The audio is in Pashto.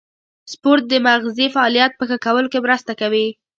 سپورت د مغزي فعالیت په ښه کولو کې مرسته کوي.